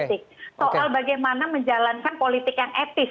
soal bagaimana menjalankan politik yang etis